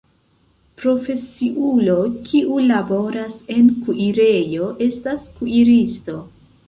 Profesiulo kiu laboras en kuirejo estas kuiristo.